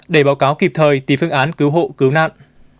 để báo cáo kịp thời tìm phương án cứu hộ cứu nạn